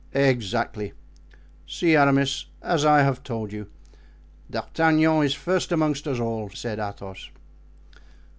"Exactly." "See, Aramis, as I have told you, D'Artagnan is first amongst us all," said Athos.